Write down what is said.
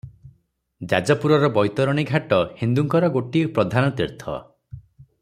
ଯାଜପୁରର ବୈତରଣୀ ଘାଟ ହିନ୍ଦୁଙ୍କର ଗୋଟିଏ ପ୍ରଧାନ ତୀର୍ଥ ।